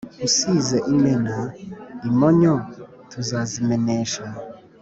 Usize imena imonyo tuzazimenesha.